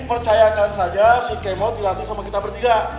nek percayakan saja si g mod dilatih sama kita bertiga